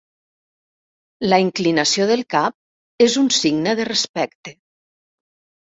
La inclinació del cap és un signe de respecte.